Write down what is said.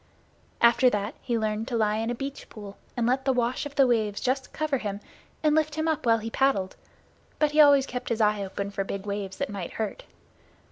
After that, he learned to lie in a beach pool and let the wash of the waves just cover him and lift him up while he paddled, but he always kept his eye open for big waves that might hurt.